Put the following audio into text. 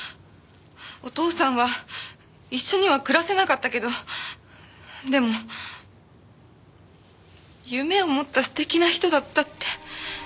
お父さんは一緒には暮らせなかったけどでも夢を持った素敵な人だったって。